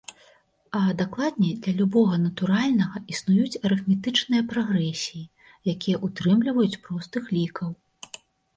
А дакладней, для любога натуральнага існуюць арыфметычныя прагрэсіі, якія ўтрымліваюць простых лікаў.